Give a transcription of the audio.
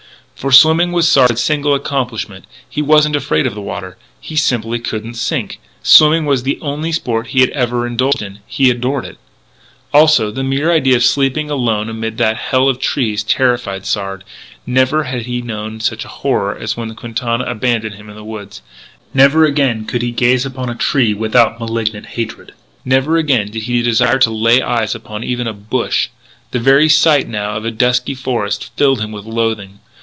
For swimming was Sard's single accomplishment. He wasn't afraid of the water; he simply couldn't sink. Swimming was the only sport he ever had indulged in. He adored it. Also, the mere idea of sleeping alone amid that hell of trees terrified Sard. Never had he known such horror as when Quintana abandoned him in the woods. Never again could he gaze upon a tree without malignant hatred. Never again did he desire to lay eyes upon even a bush. The very sight, now, of the dusky forest filled him with loathing.